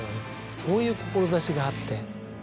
そういう志があって。